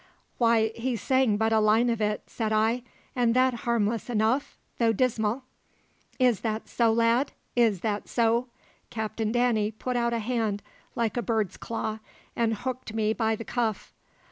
"Why, he sang but a line of it," said I, "and that harmless enough, though dismal." "Is that so, lad is that so?" Captain Danny put out a hand like a bird's claw and hooked me by the cuff.